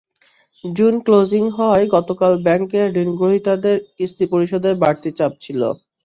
June closing হওয়ায় গতকাল ব্যাংকে ঋণগ্রহীতাদের কিস্তি পরিশোধের বাড়তি চাপ ছিল।